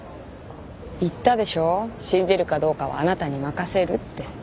言ったでしょ信じるかどうかはあなたに任せるって。